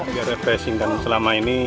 biar refreshing dan selama ini